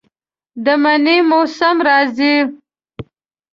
د منی موسم راځي